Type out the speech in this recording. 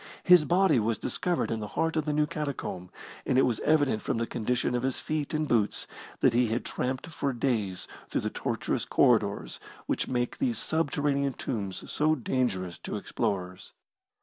His body was discovered in the heart of the new catacomb, and it was evident from the condition of his feet and boots that he had tramped for days through the tortuous corridors which make these subterranean tombs so dangerous to explorers.